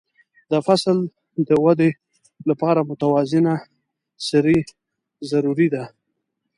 د فصل د وده لپاره متوازنه سرې ضروري دي.